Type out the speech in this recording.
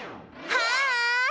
はい！